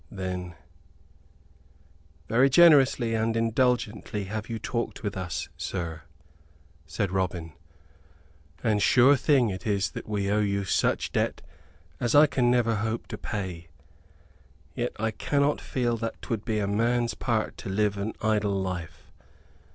Then, "Very generously and indulgently have you talked with us, sir," said Robin, "and sure thing it is that we owe you such debt as I can never hope to pay. Yet I cannot feel that 'twould be a man's part to live an idle life.